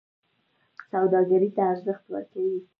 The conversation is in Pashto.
سوداګرۍ ته ارزښت ورکوي.